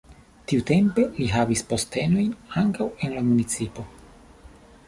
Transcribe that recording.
Tiutempe li havis postenojn ankaŭ en la municipo.